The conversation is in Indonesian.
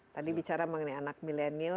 tadi bicara mengenai anak milenial